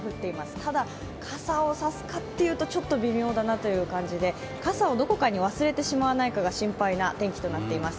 ただ、傘を差すかっていうとちょっと微妙だなという感じで傘をどこかに忘れてしまわないかが心配な天気となっています。